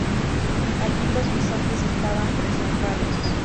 Allí, los bisontes estaban preservados.